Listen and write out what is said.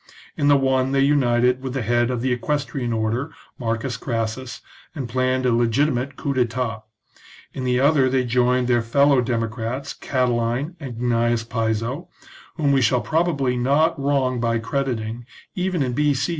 In the one they united with the head of the equestrian order, Marcus Crassus, and planned a legitimate coup d'etat; in the other they joined their fellow democrats Catiline and Gnaeus Piso, whom we shall probably not wrong by crediting, even in B.C.